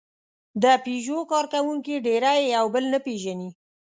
د پيژو کارکوونکي ډېری یې یو بل نه پېژني.